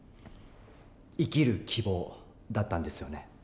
生きる希望だったんですよね？